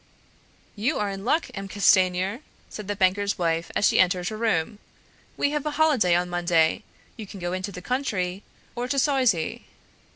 "You are in luck, M. Castanier," said the banker's wife as he entered her room; "we have a holiday on Monday; you can go into the country, or to Soizy."